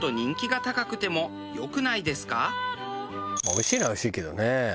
まあおいしいのはおいしいけどね。